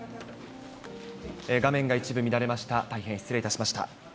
画面が一部乱れました、大変失礼いたしました。